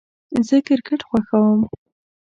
زه کرکټ خوښوم